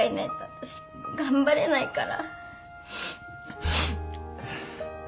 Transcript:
私頑張れないから。